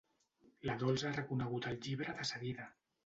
La Dols ha reconegut el llibre de seguida.